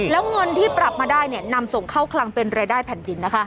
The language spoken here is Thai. แล้วเงินที่ปรับมาได้นำส่งเข้าคลังเป็นรายได้แผ่นดินนะคะ